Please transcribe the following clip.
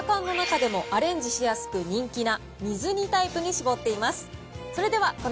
今回はサバ缶の中でも、アレンジしやすく人気な水煮タイプに絞っています。